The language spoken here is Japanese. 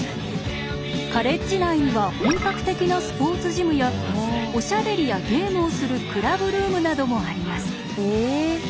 カレッジ内には本格的なスポーツジムやおしゃべりやゲームをするクラブルームなどもあります。